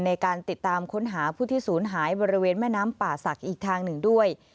ในการติดตามค้นหาผู้ที่ศูนย์หายบริเวณแม่น้ำป่าศักดิ์อีกทางหนึ่งด้วย